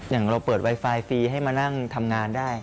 อย่างเราเปิดไวไฟฟรีให้มานั่งทำงานได้